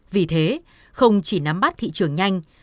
vì thế không chỉ nắm bắt thị trường nhanh